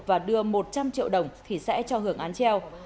và đưa một trăm linh triệu đồng thì sẽ cho hưởng án treo